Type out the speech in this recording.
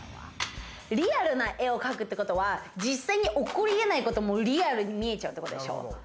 リアルな絵を描くってことは、実際に起こりえないこともリアルに見えちゃうってことでしょ？